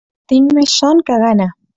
Tinc més son que gana.